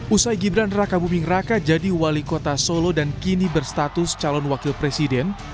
usai gibran raka buming raka jadi wali kota solo dan kini berstatus calon wakil presiden